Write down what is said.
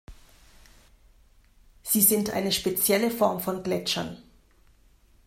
Sie sind eine spezielle Form von Gletschern.